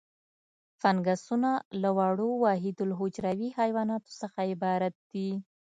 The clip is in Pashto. فنګسونه له وړو وحیدالحجروي موجوداتو څخه عبارت دي.